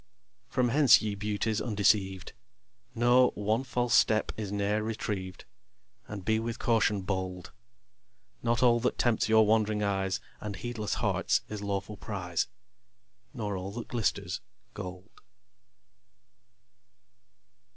From hence, ye Beauties undeceived, Know, one false step is ne'er retrieved, And be with caution bold. Not all that tempts your wand'ring eyes And heedless hearts, is lawful prize; Nor all that glisters, gold.